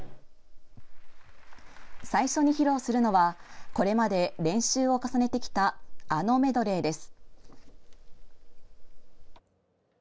最初に披露するのはこれまで練習を重ねてきたあのメドレーです。